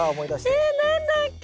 え何だっけ？